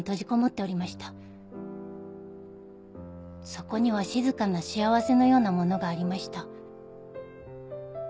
そこには静かな幸せのようなものがありました。